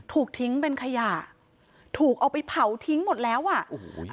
ถูกทิ้งเป็นขยะถูกเอาไปเผาทิ้งหมดแล้วอ่ะโอ้โห